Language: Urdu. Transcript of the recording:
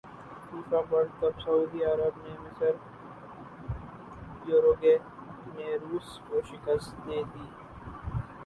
فیفا ورلڈ کپ سعودی عرب نے مصر یوروگوئے نے روس کو شکست دیدی